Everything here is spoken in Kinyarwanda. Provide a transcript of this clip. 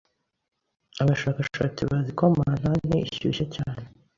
Abashakashatsi bazi ko mantanti ishyushye cyane